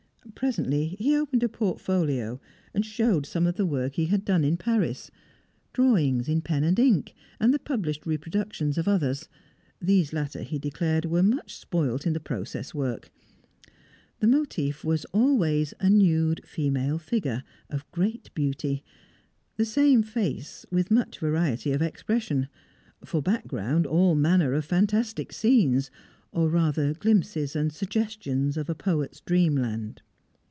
Presently he opened a portfolio and showed some of the work he had done in Paris: drawings in pen and ink, and the published reproductions of others; these latter, he declared, were much spoilt in the process work. The motive was always a nude female figure, of great beauty; the same face, with much variety of expression; for background all manner of fantastic scenes, or rather glimpses and suggestions of a poet's dreamland.